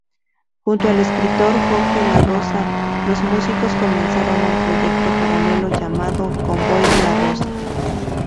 Junto al escritor Jorge Larrosa, los músicos comenzaron un proyecto paralelo llamado Convoy Larrosa.